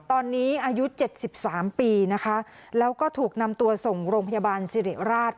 ตอนนี้อายุ๗๓ปีนะคะแล้วก็ถูกนำตัวส่งโรงพยาบาลสิริราช